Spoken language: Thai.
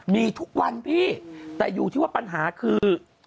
มีทุกวันพี่แต่อยู่ที่ว่าปัญหาคือ